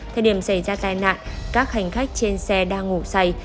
thời điểm xảy ra tai nạn các hành khách trên xe đang ngủ say